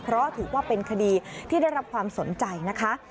เพราะถือว่าเป็นคดีที่ได้รับความสนใจนะคะ